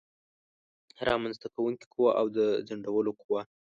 رامنځته کوونکې قوه او د ځنډولو قوه